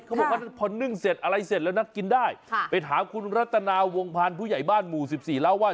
เขาบอกว่าพอนึ่งเสร็จอะไรเสร็จแล้วนัดกินได้ไปถามคุณรัตนาวงพันธ์ผู้ใหญ่บ้านหมู่๑๔เล่าว่า